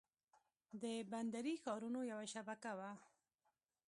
د بندري ښارونو یوه شبکه وه.